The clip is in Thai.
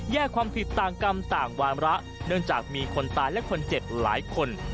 ความผิดต่างกรรมต่างวามระเนื่องจากมีคนตายและคนเจ็บหลายคน